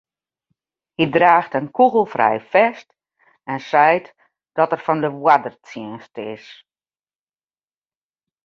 Hy draacht in kûgelfrij fest en seit dat er fan de oardertsjinst is.